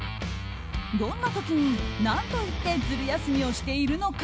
どんな時に何と言ってズル休みをしているのか。